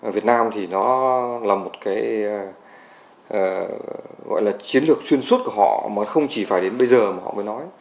việt nam thì nó là một cái gọi là chiến lược xuyên suốt của họ mà không chỉ phải đến bây giờ mà họ mới nói